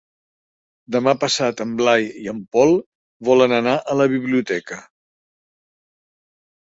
Demà passat en Blai i en Pol volen anar a la biblioteca.